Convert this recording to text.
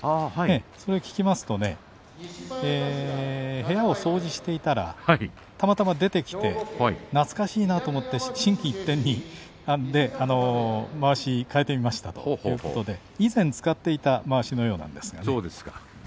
それを聞きますと部屋を掃除していたらたまたま出てきて懐かしいなと思って心機一転でまわしを替えてみましたということで、以前使っていたまわしのようなんですがね。